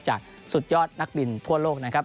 สุดยอดนักบินทั่วโลกนะครับ